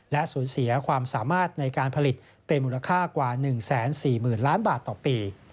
และสูญเสียความสามารถในการผลิตเป็นมูลค่ากว่า๑๔๐๐๐ล้านบาทต่อปี